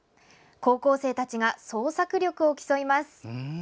高校生たちが創作力を競います。